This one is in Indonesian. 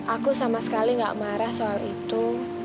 aku sama sekali gak marah soal itu